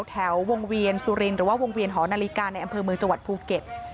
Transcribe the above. แถววงเวียนสุรินหรือว่าวงเวียนหอนาฬิกาในอำเภอเมืองจังหวัดภูเก็ต